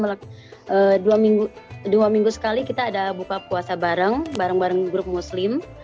kalau untuk berbuka ya kita dua minggu sekali kita ada buka puasa bareng bareng bareng grup muslim